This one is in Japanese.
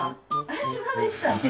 あつのができた！